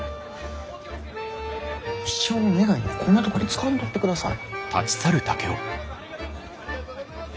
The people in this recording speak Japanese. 一生の願いをこんなとこで使わんとってください。